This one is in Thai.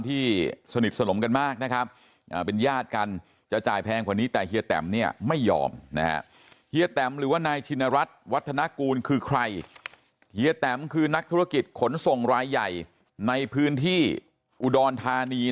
ที่สนิทสนมกันมากนะครับเป็นญาติการเจ้าจ่ายแพงกว่านี้